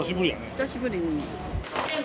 久しぶりに。